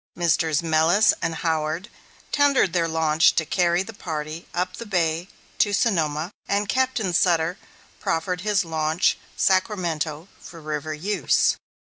Messrs. Mellus and Howard tendered their launch to carry the party up the bay to Sonoma, and Captain Sutter proffered his launch Sacramento for river use.